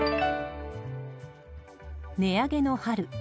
値上げの春。